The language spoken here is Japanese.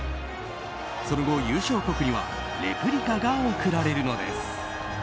その後、優勝国にはレプリカが贈られるのです。